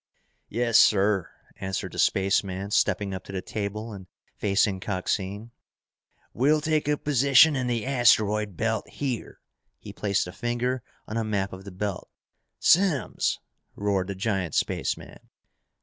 "Yes, sir," answered the spaceman, stepping up to the table and facing Coxine. "We'll take up a position in the asteroid belt, here!" He placed a finger on a map of the belt. "Simms!" roared the giant spaceman.